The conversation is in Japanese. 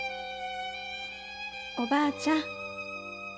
おばあちゃん。